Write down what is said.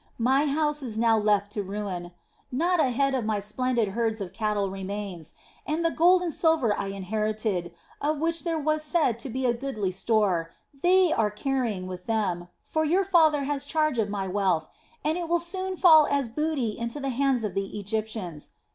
My house is now left to ruin, not a head of my splendid herds of cattle remains, and the gold and silver I inherited, of which there was said to be a goodly store, they are carrying with them, for your father has charge of my wealth, and it will soon fall as booty into the hands of the Egyptians.